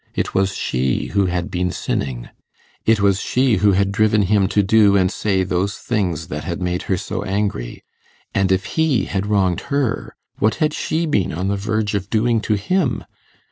It was she who had been sinning; it was she who had driven him to do and say those things that had made her so angry. And if he had wronged her, what had she been on the verge of doing to him?